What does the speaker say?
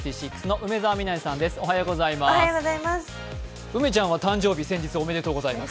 梅ちゃんは誕生日先日、おめでとうございます。